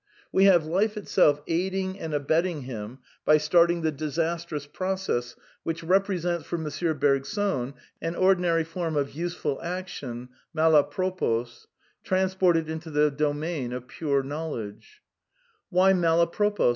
(Page 221.) We have Life itself aiding and abetting him by starting the disastrous process which represents, for M. Bergson, " an ordinary form of useful action mal a propos trans ported into the domain of pure knowledge." (Page 221.) Why mal a propos?